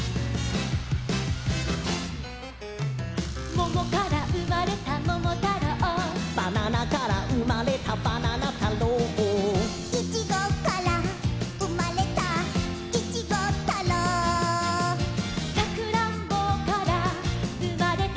「ももからうまれたももたろう」「ばななからうまれたばななたろう」「いちごからうまれたいちごたろう」「さくらんぼからうまれた」